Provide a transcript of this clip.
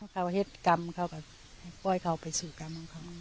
เขาก็เฮ็ดกรรมเขาก็ปล่อยเขาไปสู่กรรมเขา